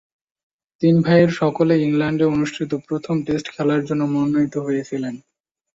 তিন ভাইয়ের সকলেই ইংল্যান্ডে অনুষ্ঠিত প্রথম টেস্ট খেলার জন্য মনোনীত হয়েছিলেন।